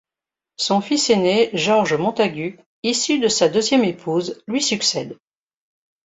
Son fils aîné George Montagu, issu de sa deuxième épouse, lui succède.